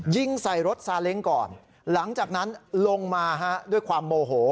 ยิงใส่รถซาเล้งก่อนหลังจากนั้นลงมาด้วยความโมโห